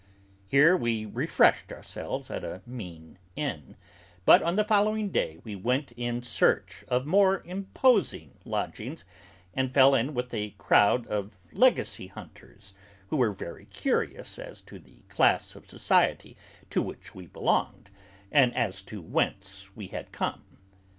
Here we refreshed ourselves at a mean inn, but on the following day we went in search of more imposing lodgings and fell in with a crowd of legacy hunters who were very curious as to the class of society to which we belonged and as to whence we had come.